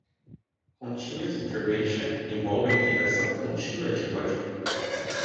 Continuous Integration envolve integração contínua de código.